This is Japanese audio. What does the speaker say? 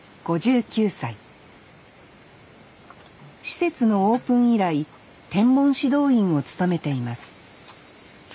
施設のオープン以来天文指導員を務めています